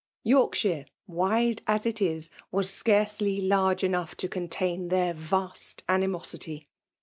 Yorkshire, wide as it i6> was scarcely large enough to contain their vast animosity